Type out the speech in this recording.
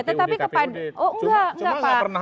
oh enggak pak cuma gak pernah